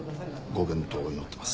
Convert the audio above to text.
ご健闘を祈ってます。